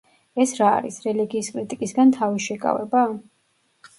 ეს რა არის, რელიგიის კრიტიკისგან თავის შეკავება?